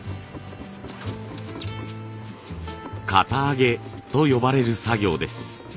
型上げと呼ばれる作業です。